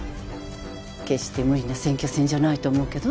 決して無理な選挙戦じゃないと思うけど？